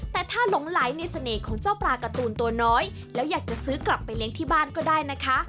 แต่ถ้าหลงไหลในเสน่ห์ของเจ้าปลาการ์ตูนตัวน้อยแล้วอยากจะซื้อกลับไปเลี้ยงที่บ้านก็ได้นะคะ